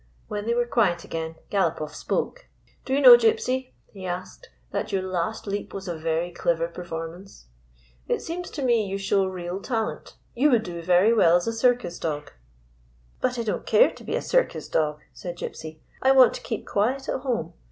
When they were quiet again Galopoff spoke: "Do you know, Gypsy," he asked, "that your last leap was a very clever performance ? 225 GYPSY, THE TALKING DOG It seems to me you show real talent. You would do very well as a circus dog." " But I don't care to be a circus dog," said Gypsy. " I want to keep quiet at home.